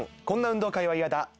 こんな運動会は嫌だ！